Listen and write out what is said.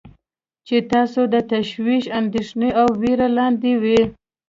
چې تاسو د تشویش، اندیښنې او ویرې لاندې وی.